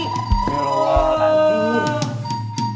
ya allah nanti